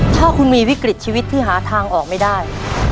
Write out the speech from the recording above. ถ้าคุณมีวิกฤตชีวิตที่หาทางออกไม่ได้